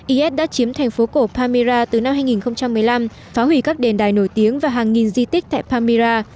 is đã chiếm thành phố cổ pamira từ năm hai nghìn một mươi năm phá hủy các đền đài nổi tiếng và hàng nghìn di tích tại pamira